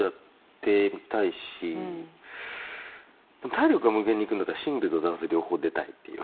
体力が無限にいくんだったらシングルとダンス両方出たいっていう。